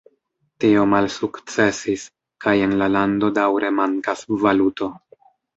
Tio malsukcesis, kaj en la lando daŭre mankas valuto.